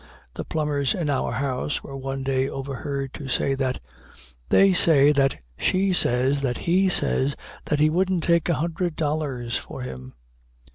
The plumbers in our house were one day overheard to say that, "They say that she says that he says that he wouldn't take a hundred dollars for him."